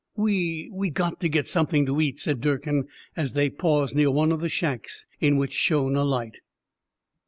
"We we got to get somethin' to eat," said Durkin, as they paused near one of the shacks, in which shone a light.